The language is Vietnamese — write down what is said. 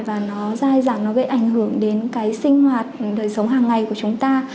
và nó dài dẳng nó gây ảnh hưởng đến cái sinh hoạt đời sống hàng ngày của chúng ta